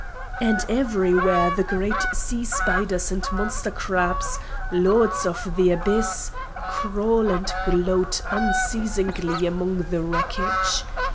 And everywhere the great sea spiders and monster crabs lords of the abyss crawl and gloat unceasingly among the wreckage.